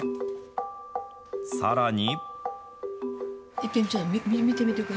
さらに。